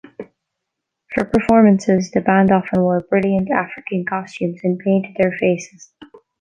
For performances, the band often wore brilliant African costumes and painted their faces.